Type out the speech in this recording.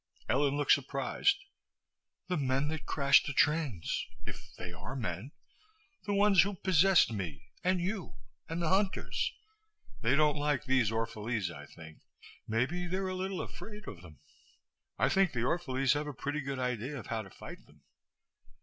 Ellen looked surprised. "The men that crashed the trains ... if they are men. The ones who possessed me and you and the hunters. They don't like these Orphalese, I think. Maybe they're a little afraid of them. I think the Orphalese have a pretty good idea of how to fight them."